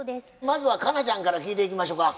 まずは佳奈ちゃんから聞いていきましょか。